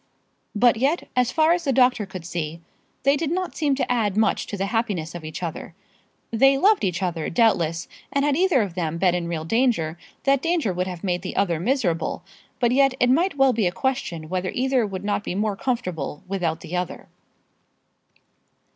But yet, as far as the doctor could see, they did not seem to add much to the happiness of each other. They loved each other, doubtless, and had either of them been in real danger, that danger would have made the other miserable; but yet it might well be a question whether either would not be more comfortable without the other.